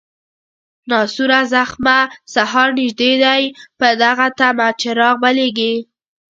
ناسوره زخمه، سهار نژدې دی په دغه طمه، چراغ بلیږي